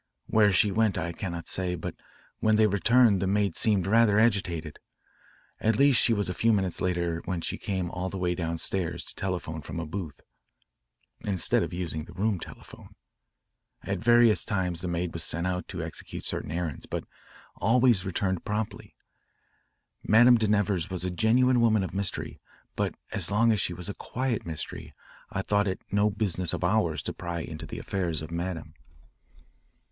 Where she went I cannot say, but when they returned the maid seemed rather agitated. At least she was a few minutes later when she came all the way downstairs to telephone from a booth, instead of using the room telephone. At various times the maid was sent out to execute certain errands, but always returned promptly. Madame de Nevers was a genuine woman of mystery, but as long as she was a quiet mystery, I thought it no business of ours to pry into the affairs of Madame."